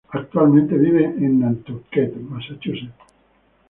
Actualmente vive en Nantucket, Massachusetts.